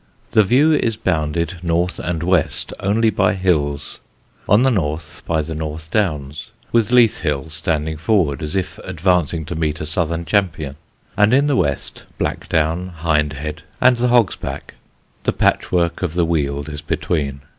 The view is bounded north and west only by hills: on the north by the North Downs, with Leith Hill standing forward, as if advancing to meet a southern champion, and in the west, Blackdown, Hind Head and the Hog's Back. The patchwork of the Weald is between.